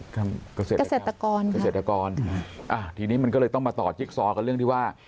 เกษตรเกษตรกรเกษตรกรอ่าทีนี้มันก็เลยต้องมาต่อจิ๊กซอกันเรื่องที่ว่า